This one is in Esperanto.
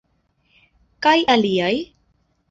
Kaj aliaj?